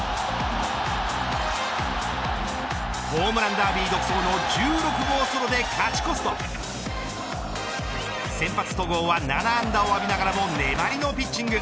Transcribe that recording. ホームランダービー独走の１６号ソロで勝ち越すと先発、戸郷は７安打を浴びながらも粘りのピッチング。